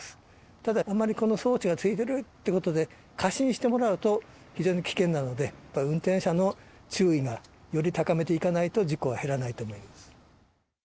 ただ、あんまりこの装置がついてるってことで過信してもらうと非常に危険なので、やっぱり運転者の注意はより高めていかないと、事故は減らないと思います。